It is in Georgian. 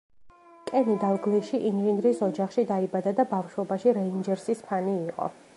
კენი დალგლიში ინჟინრის ოჯახში დაიბადა და ბავშვობაში „რეინჯერსის“ ფანი იყო.